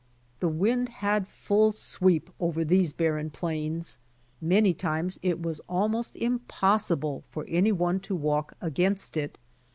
The wind had full sweep over these barren plains. Many times it was almost impossible for any one to walk against it.